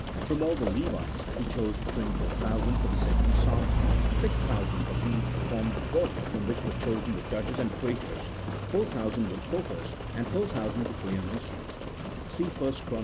from all the Levites he chose twenty four thousand for the sacred psalms ; six thou sand of these formed the body from which were chosen the judges and praetors, four thousand were porters, and four thousand to play on instruments (see 1 Chron.